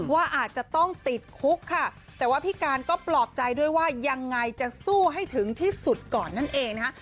ว่าอาจจะต้องติดคุกค่ะแต่ว่าพี่การก็ปลอบใจด้วยว่ายังไงจะสู้ให้ถึงที่สุดก่อนนั่นเองนะคะ